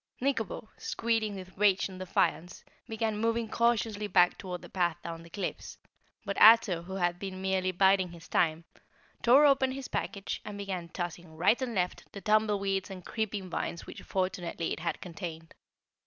Nikobo, squealing with rage and defiance, began moving cautiously back toward the path down the cliffs, but Ato, who had been merely biding his time, tore open his package and began tossing right and left the tumbleweeds and creeping vines which fortunately it had contained.